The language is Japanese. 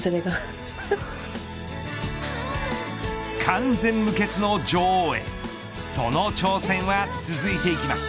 完全無欠の女王へその挑戦は続いていきます。